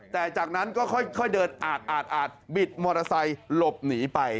แต่จากนั้นก็ค่อยเดินอาดบิดมอเตอร์ไซค์หลบหนีไป